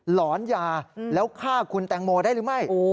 หลอนยาแล้วฆ่าคุณแตงโมได้หรือไม่